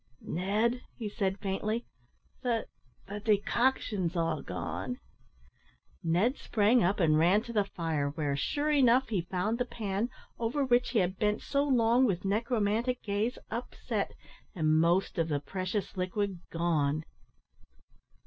"Ned," he said, faintly, "the the decoction's all gone." Ned sprang up and ran to the fire, where, sure enough, he found the pan, over which he had bent so long with necromantic gaze, upset, and most of the precious liquid gone.